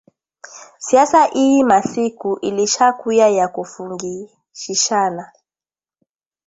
Siasa iyi masiku ilisha kuya ya kufungishishana